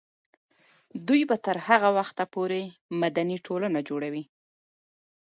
دوی به تر هغه وخته پورې مدني ټولنه جوړوي.